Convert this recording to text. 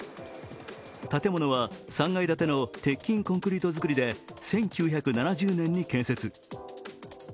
建物は３階建ての鉄筋コンクリート造りで１９７０年に建設。